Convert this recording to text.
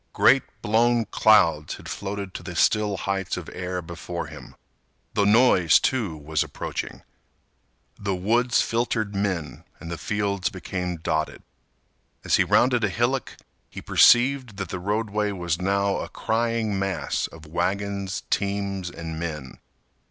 Great blown clouds had floated to the still heights of air before him. The noise, too, was approaching. The woods filtered men and the fields became dotted. As he rounded a hillock, he perceived that the roadway was now a crying mass of wagons, teams, and men.